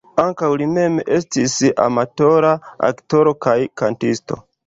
Ankaŭ li mem estis amatora aktoro kaj kantisto.